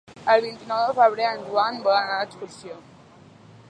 El vint-i-nou de febrer en Joan vol anar d'excursió.